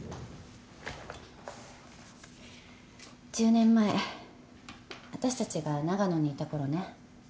１０年前あたしたちが長野にいたころね